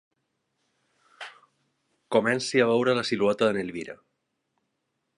Comenci a veure la silueta de n'Elvira.